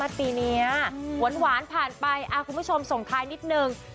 สว่าผ่านไปคุณผู้ชมส่งท้ายนิดนึง